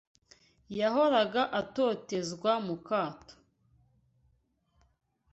Yahoraga atotezwa mu kato